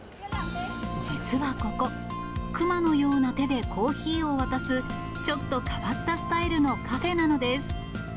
実はここ、熊のような手でコーヒーを渡す、ちょっと変わったスタイルのカフェなのです。